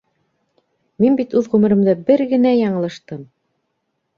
Мин бит үҙ ғүмеремдә бер генә яңылыштым!